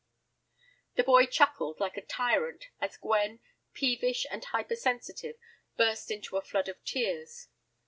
The boy chuckled like a tyrant as Gwen, peevish and hypersensitive, burst into a flood of tears.